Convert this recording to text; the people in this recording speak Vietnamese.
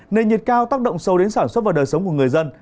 nền nhiệt cao tác động sâu đến sản xuất và đời sống của người dân